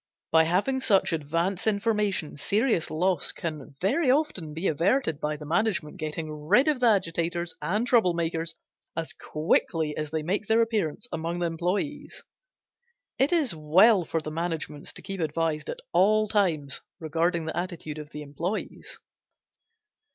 By having such advance information serious loss can very often be averted by the management getting rid of the agitators and trouble makers as quickly as they make their appearance among the employes. It is well for the managements to keep advised at all times regarding the attitude of employees.